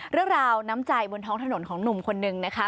เรื่องราวน้ำจ่ายบนท้องถนนของหนุ่มคนนึงนะคะ